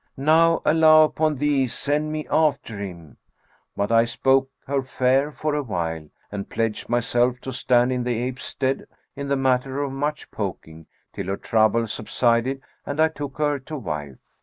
Now Allah upon thee, send me after him!' But I spoke her fair for a while and pledged myself to stand in the ape's stead in the matter of much poking, till her trouble subsided and I took her to wife.